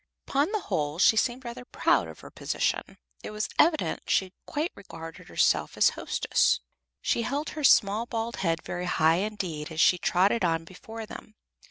Upon the whole, she seemed rather proud of her position. It was evident she quite regarded herself as hostess. She held her small bald head very high indeed, as she trotted on before them.